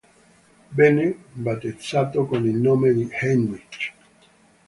Venne battezzato con il nome di Heinrich.